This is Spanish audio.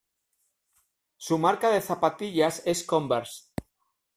Su marca de zapatillas es "converse"